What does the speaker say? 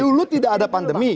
dulu tidak ada pandemi